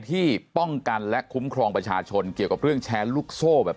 ที่ป้องกันและคุ้มครองประชาชนเกี่ยวกับเรื่องแชร์ลูกโซ่แบบ